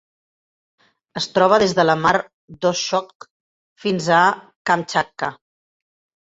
Es troba des de la Mar d'Okhotsk fins a Kamtxatka.